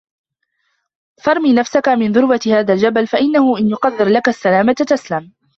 فَارْمِ نَفْسَك مِنْ ذُرْوَةِ هَذَا الْجَبَلِ فَإِنَّهُ إنْ يُقَدِّرْ لَك السَّلَامَةَ تَسْلَمْ